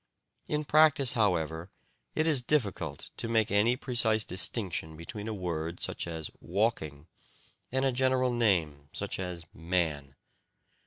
In practice, however, it is difficult to make any precise distinction between a word such as "walking" and a general name such as "man."